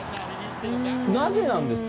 なぜなんですか？